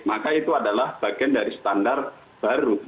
maka itu adalah bagian dari standar baru